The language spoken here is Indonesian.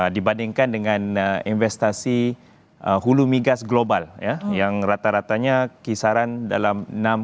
dibandingkan dengan investasi hulu migas global yang rata ratanya kisaran dalam